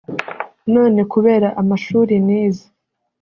none kubera amashuri nize